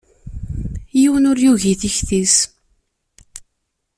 Yiwen ur yugi tikti-s.